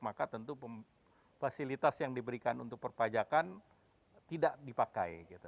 maka tentu fasilitas yang diberikan untuk perpajakan tidak dipakai